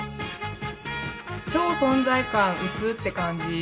超存在感うすって感じ。